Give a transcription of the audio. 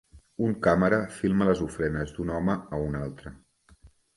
Un càmera filma les ofrenes d'un home a un altre.